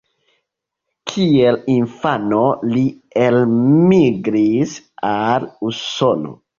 Kiel infano li elmigris al Usono.